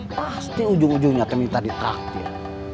pasti ujung ujungnya teh minta ditraktir